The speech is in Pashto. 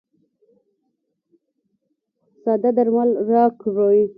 ساده درمل راکړئ.